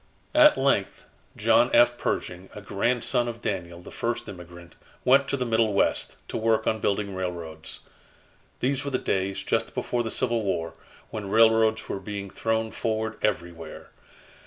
At length, John F. Pershing, a grandson of Daniel, the first immigrant, went to the Middle West, to work on building railroads. These were the days, just before the Civil War, when railroads were being thrown forward everywhere.